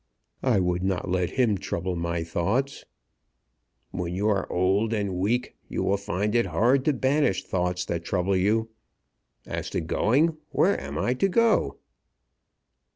"I would not let him trouble my thoughts." "When you are old and weak you will find it hard to banish thoughts that trouble you. As to going, where am I to go to?"